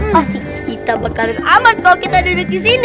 pasti kita bakal aman kalo kita dudek disini